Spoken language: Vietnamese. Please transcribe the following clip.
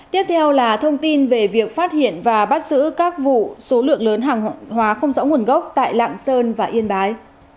tiếp theo là thông tin về việc phát hiện và bắt giữ các vụ số lượng lớn hàng hóa không rõ nguồn gốc tại lạng sơn và yên bái